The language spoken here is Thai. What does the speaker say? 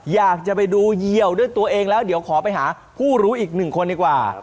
อยากจะไปดูเยี่ยวด้วยตัวเองแล้วเดี๋ยวขอไปหาผู้รู้อีกหนึ่งคนดีกว่า